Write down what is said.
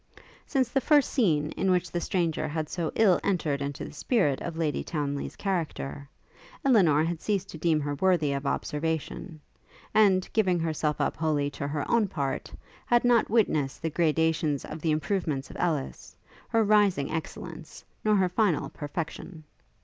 Since the first scene, in which the stranger had so ill entered into the spirit of Lady Townly's character, Elinor had ceased to deem her worthy of observation; and, giving herself up wholly to her own part, had not witnessed the gradations of the improvements of Ellis, her rising excellence, nor her final perfection.